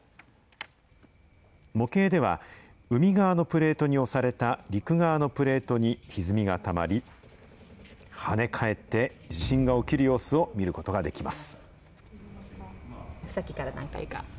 模型では、海側のプレートに押された陸側のプレートにひずみがたまり、跳ね返って地震が起きる様子を見ることができます。